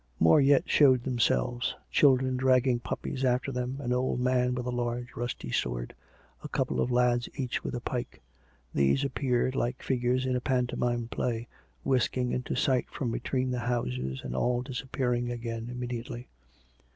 More yet showed themselves — children dragging puppies after them, an old man with a large rusty sword, a couple of lads each with a pike — these appeared, like figures in a pantomime play, whisking into sight from between the houses, and all disappearing again immediately.